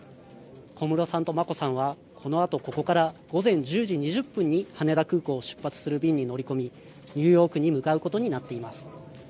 小室さんと眞子さんは、このあとここから午前１０時２０分に羽田空港を出発する便に乗り込み、ニューヨークに向かうことになっています。